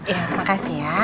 ya makasih ya